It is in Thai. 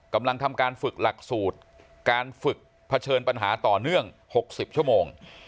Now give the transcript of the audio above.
กำลังทำการฝึกหลักสูตรการฝึกเผชิญปัญหาต่อเนื่อง๖๐ชั่วโมง